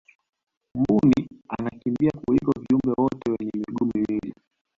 mbuni anakimbia kuliko viumbe wote wenye miguu miwili